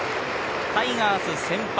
タイガース先発